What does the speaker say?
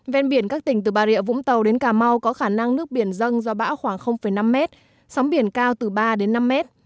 ven biển các tỉnh từ bà rịa vũng tàu đến cà mau có khả năng nước biển dâng do bão khoảng năm mét sóng biển cao từ ba đến năm mét